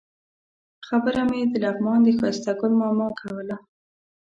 خبره مې د لغمان د ښایسته ګل ماما کوله.